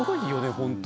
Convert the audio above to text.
本当。